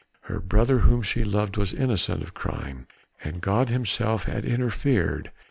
Her brother whom she loved was innocent of crime, and God Himself had interfered.